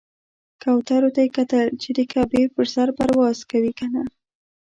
کوترو ته یې کتل چې د کعبې پر سر پرواز کوي کنه.